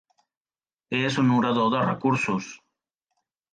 És un orador de recursos.